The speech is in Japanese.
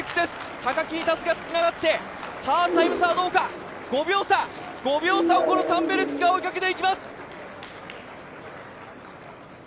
高木にたすきがつながってタイム差はどうか、５秒差をこのサンベルクスが追いかけていきます。